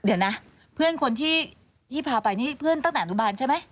เดี๋ยวนะเพื่อนคนที่พาไปนี่เพื่อนตั้งแต่อนุบาลใช่ไหม